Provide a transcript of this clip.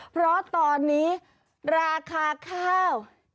เพราะตอนนี้ราคาข้าว